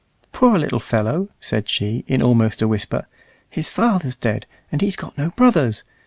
"Poor little fellow," said she, in almost a whisper; "his father's dead, and he's got no brothers.